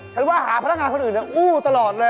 ฉันว่าหาพลังงานคนอื่นหรือโอ้วตลอดเลย